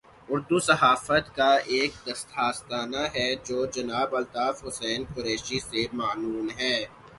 اردو صحافت کا ایک دبستان ہے جو جناب الطاف حسن قریشی سے معنون ہے۔